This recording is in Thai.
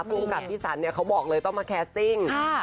พูดอย่างง่ายนี่พี่สันเขาบอกเลยต้องมาแคสท์สตริงต้องค่าค่ะ